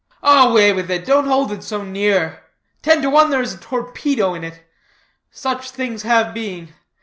"Away with it! Don't hold it so near. Ten to one there is a torpedo in it. Such things have been.